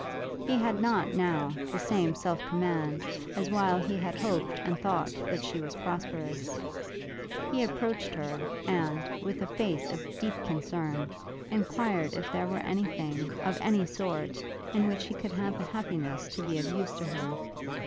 He had not, now, the same self command as while he had hoped and thought that she was prosperous. He approached her, and, with a face of deep concern, enquired if there were any thing, of any sort, in which he could have the happiness to be of use to her?